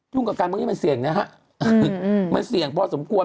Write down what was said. ่งกับการเมืองนี้มันเสี่ยงนะฮะมันเสี่ยงพอสมควร